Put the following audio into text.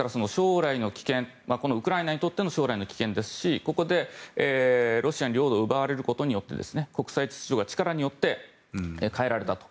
ですからウクライナにとって将来の危険ですしここでロシアに領土を奪われることで国際秩序が力によって変えられたと。